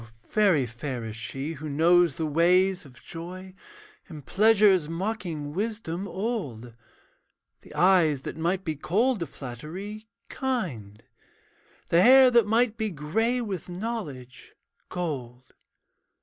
very fair is she who knows the ways Of joy: in pleasure's mocking wisdom old, The eyes that might be cold to flattery, kind; The hair that might be grey with knowledge, gold.